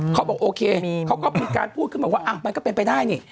เขาบอกโอเคเขาก็มีการพูดขึ้นมาว่ามันก็เป็นไปได้นี่